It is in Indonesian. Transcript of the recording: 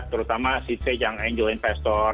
terutama seed stage yang angel investor